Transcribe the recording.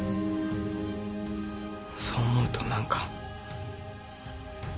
そう思うと何か。